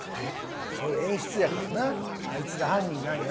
そういう演出やからなあいつが犯人なんやろうけど。